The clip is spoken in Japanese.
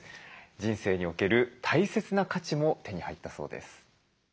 人生における大切な価値も手に入ったそうです。